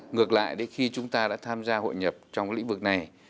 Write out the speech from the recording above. ngược lại khi chúng ta đã tham gia hội nhập trong lĩnh vực này